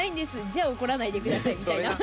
じゃあ、怒らないでくださいみたいな。